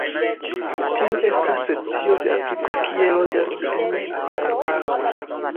Tiu estas specio de Afriko kie loĝas en arbaroj.